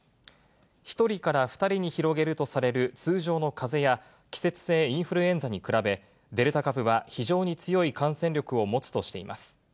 １人から２人に広げるとされる通常のかぜや、季節性インフルエンザに比べ、デルタ株は非常に強い感染力を持つとしています。